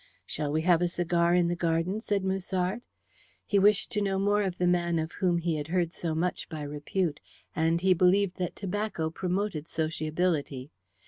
"Shall we have a cigar in the garden?" said Musard. He wished to know more of the man of whom he had heard so much by repute, and he believed that tobacco promoted sociability.